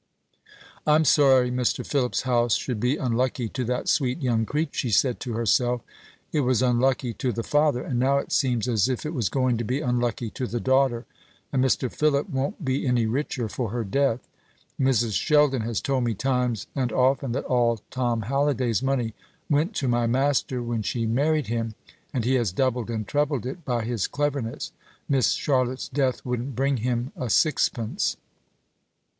"I'm sorry Mr. Philip's house should be unlucky to that sweet young creature," she said to herself. "It was unlucky to the father; and now it seems as if it was going to be unlucky to the daughter. And Mr. Philip won't be any richer for her death. Mrs. Sheldon has told me times and often that all Tom Halliday's money went to my master when she married him, and he has doubled and trebled it by his cleverness. Miss Charlotte's death wouldn't bring him a sixpence."